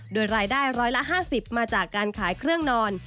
โดยรายได้ร้อยละ๕๐มาจากการขายเครื่องนอน